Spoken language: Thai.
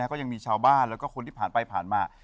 ก็ยังมีชาวบ้านแล้วก็คนที่ผ่านไปผ่านมา